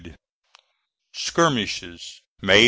Skirmishes, May 3